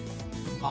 あっ。